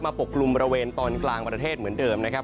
ปกกลุ่มบริเวณตอนกลางประเทศเหมือนเดิมนะครับ